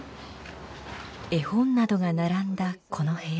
絵本などが並んだこの部屋。